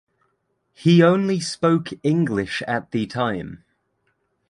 He only spoke English at the time.